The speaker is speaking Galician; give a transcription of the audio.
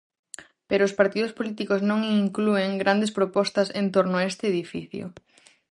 Pero os partidos políticos non inclúen grandes propostas en torno a este edificio.